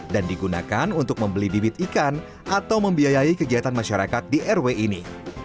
dan digunakan untuk membeli bibit ikan atau membiayai kegiatan masyarakat di rw ini